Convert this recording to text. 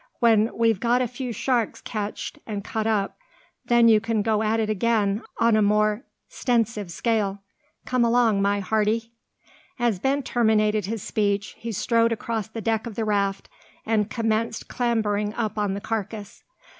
When we've got a few sharks catched an' cut up, then you can go at it again on a more 'stensive scale. Come along, my hearty!" As Ben terminated his speech, he strode across the deck of the raft, and commenced clambering up on the carcass.